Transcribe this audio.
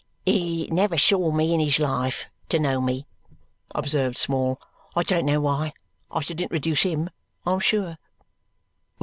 "He never saw me in his life to know me," observed Small; "I don't know why I should introduce HIM, I am sure!"